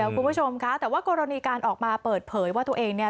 คุณผู้ชมค่ะแต่ว่ากรณีการออกมาเปิดเผยว่าตัวเองเนี่ย